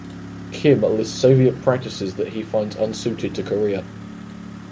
Kim lists Soviet practices that he finds unsuited to Korea.